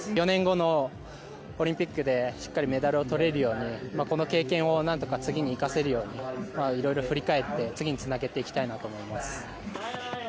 ４年後のオリンピックでしっかりメダルを取れるようにこの経験を何とか次に生かせるようにいろいろ振り返って次につなげていきたいなと思います。